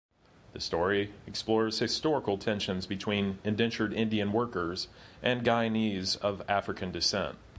The story explores historical tensions between indentured Indian workers and Guyanese of African descent.